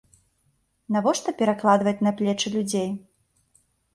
Навошта перакладваць на плечы людзей.